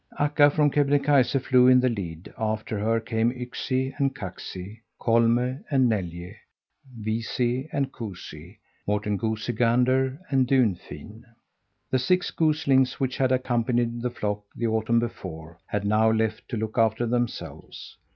Akka from Kebnekaise flew in the lead; after her came Yksi and Kaksi, Kolme and Neljä, Viisi and Kuusi, Morten Goosey Gander and Dunfin. The six goslings which had accompanied the flock the autumn before had now left to look after themselves.